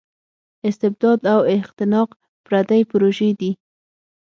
استبداد او اختناق پردۍ پروژې دي.